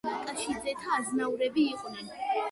ნაკაიძეები ნაკაშიძეთა აზნაურები იყვნენ.